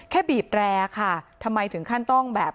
บีบแรค่ะทำไมถึงขั้นต้องแบบ